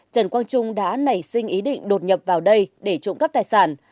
trần quang trung đã nảy sinh ý định đột nhập vào đây để trộm cắp tài sản